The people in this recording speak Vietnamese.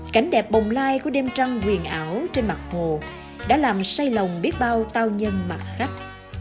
cảnh đẹp bồng lai của đêm trăng quyền ảo trên mặt hồ đã làm say lòng biết bao tao nhân mặt khách